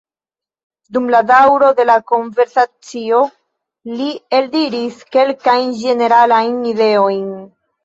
Dum la daŭro de la konversacio, li eldiris kelkajn ĝeneralajn ideojn.